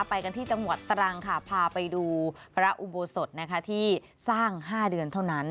ไปกันที่จังหวัดตรังค่ะพาไปดูพระอุโบสถที่สร้าง๕เดือนเท่านั้น